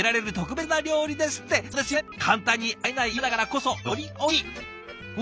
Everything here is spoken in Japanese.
簡単に会えない今だからこそよりおいしい！